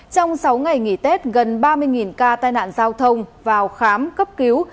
trong sáu ngày nghỉ tết gần ba mươi ca tai nạn giao thông vào khám cấp cứu